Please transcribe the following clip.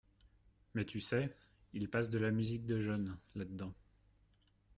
Mais tu sais, il passe de la musique de jeunes, là-dedans